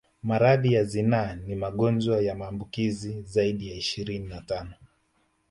Maradhi ya zinaa ni magonjwa ya maambukizi zaidi ya ishirini na tano